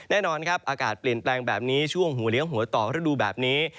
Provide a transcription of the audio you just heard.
แน่นอนครับอากาศเปลี่ยนแปลงแบบนี้ช่วงหัวเลี้ยวหัวต่อฤดูแบบนี้